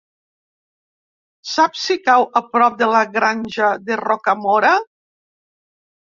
Saps si cau a prop de la Granja de Rocamora?